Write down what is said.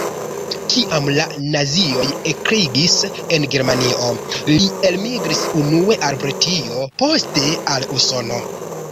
Kiam la nazioj ekregis en Germanio, li elmigris unue al Britio, poste al Usono.